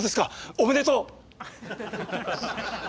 おめでとう！